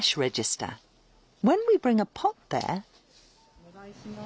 お願いします。